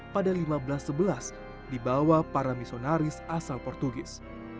pada seribu lima ratus sebelas dibawa para misionaris asal portugis